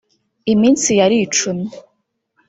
Iminsi yaricumye